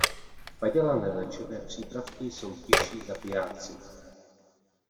Padělané léčivé přípravky jsou tiší zabijáci.